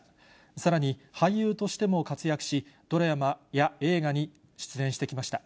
さらに、俳優としても活躍し、ドラマや映画に出演してきました。